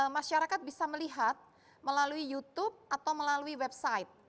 masyarakat bisa melihat melalui youtube atau melalui website